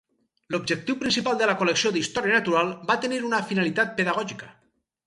L'objectiu principal de la col·lecció d'història natural va tenir una finalitat pedagògica.